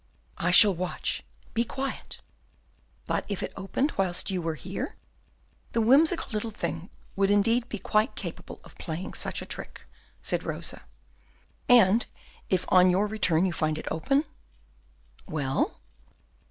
"I shall watch; be quiet." "But if it opened whilst you were here?" "The whimsical little thing would indeed be quite capable of playing such a trick," said Rosa. "And if on your return you find it open?" "Well?"